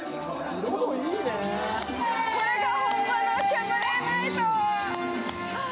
これが本場のキャバレーナイト！